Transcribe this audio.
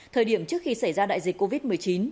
thời điểm trước khi xảy ra đại dịch covid một mươi chín